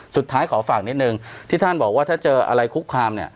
สุดท้ายขอฝากนิดนึงที่ท่านบอกว่าถ้าเจออะไรคุกคาม